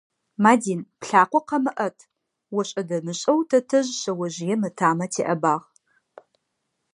«Мадин, плъакъо къэмыӏэт»,- ошӏэ-дэмышӏэу тэтэжъ шъэожъыем ытамэ теӏэбагъ.